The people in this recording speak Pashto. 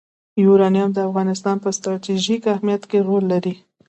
یورانیم د افغانستان په ستراتیژیک اهمیت کې رول لري.